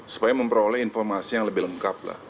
supaya memperoleh informasi yang lebih lengkap lah